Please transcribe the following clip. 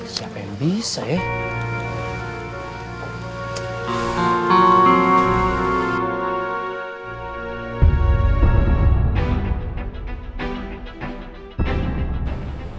siapa yang bisa ya